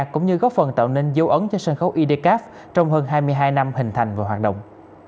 cũng như góp phần tạo nên dấu ấn cho sân khấu idcap trong hơn hai mươi hai năm hình thành và hoạt động